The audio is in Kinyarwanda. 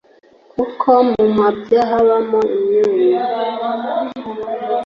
Kuko mu mabya habamo imyunyu